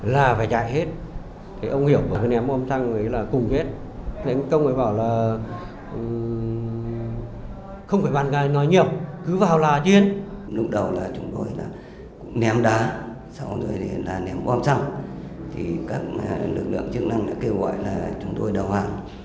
lực lượng chức năng đã kêu gọi là chúng tôi đầu hàng